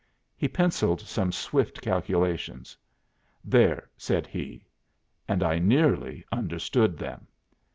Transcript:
He pencilled some swift calculations. 'There,' said he. And I nearly understood them.